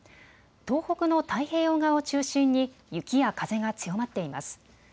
東北の太平洋側を中心に雪や風が強まっています。